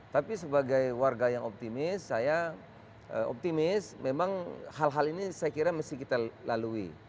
tapi sebagai warga yang optimis saya optimis memang hal hal ini saya kira mesti kita lalui